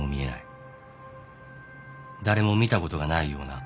誰も見たことがないような。